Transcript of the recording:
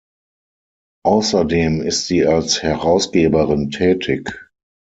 Außerdem ist sie als Herausgeberin tätig.